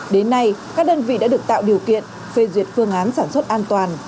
đến nay các đơn vị đã được tạo điều kiện phê duyệt phương án sản xuất an toàn